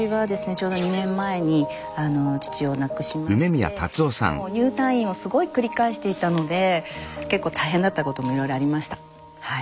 ちょうど２年前に父を亡くしましてもう入退院をすごい繰り返していたので結構大変だったこともいろいろありましたはい。